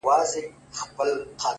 و تاته د جنت حوري غلمان مبارک’